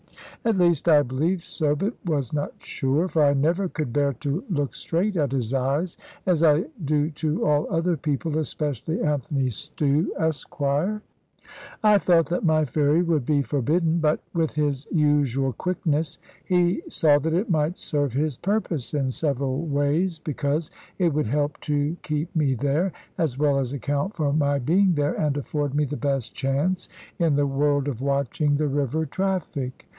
At least I believed so, but was not sure; for I never could bear to look straight at his eyes, as I do to all other people, especially Anthony Stew, Esquire. I thought that my ferry would be forbidden; but with his usual quickness he saw that it might serve his purpose in several ways. Because it would help to keep me there, as well as account for my being there, and afford me the best chance in the world of watching the river traffic.